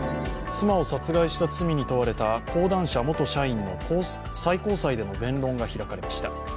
妻を殺害した罪に問われた講談社元社員の最高裁での弁論が開かれました。